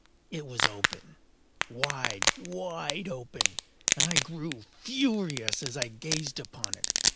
It was open—wide, wide open—and I grew furious as I gazed upon it.